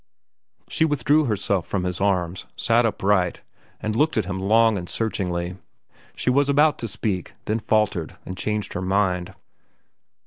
She withdrew herself from his arms, sat upright, and looked at him long and searchingly. She was about to speak, then faltered and changed her mind.